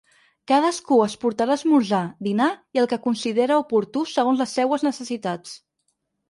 Cadascú es portarà esmorzar, dinar i el que considere oportú segons les seues necessitats.